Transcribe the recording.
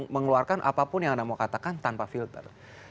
mengeluarkan apapun yang anda mau katakan tanpa filter